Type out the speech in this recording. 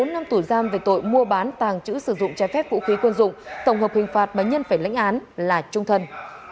bốn năm tù giam về tội mua bán tàng trữ sử dụng trái phép vũ khí quân dụng tổng hợp hình phạt mà nhân phải lãnh án là trung thân